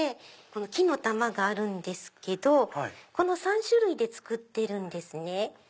木の玉があるんですけどこの３種類で作っているんですね。